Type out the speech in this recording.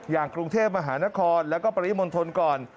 อย่างกรุงเทพมหานครแล้วก็ปริมณฑลก่อน